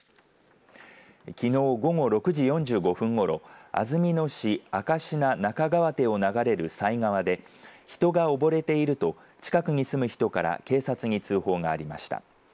きのう午後６時４５分ごろ安曇野市明科中川手を流れる犀川で人が溺れていると近くに住む人から警察に通報がありました。